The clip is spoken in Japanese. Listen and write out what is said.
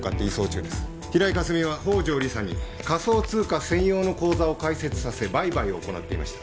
平井かすみは宝城理沙に仮想通貨専用の口座を開設させ売買を行っていました。